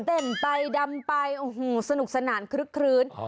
เต็มไปดำไปสนุกสนานครื้น